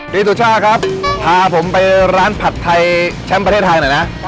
สุชาติครับพาผมไปร้านผัดไทยแชมป์ประเทศไทยหน่อยนะ